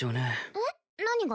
えっ何が？